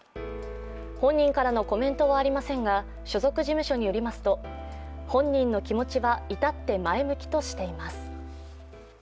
本人からのコメントはありませんが所属事務所によりますと本人の気持ちは至って前向きとしています。